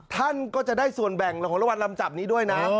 ท่านก็จะได้ส่วนแบ่งของรางวัลลำจับนี้ด้วยนะ